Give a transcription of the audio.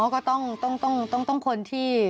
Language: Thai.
อ๋อก็ต้องค้นที่